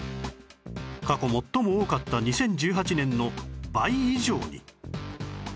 過去最も多かった２０１８年の倍以上に